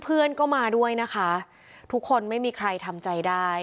เพื่อนก็มาด้วยนะคะทุกคนไม่มีใครทำใจได้